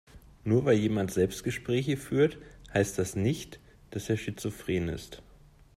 Nur weil jemand Selbstgespräche führt, heißt das nicht, dass er schizophren ist.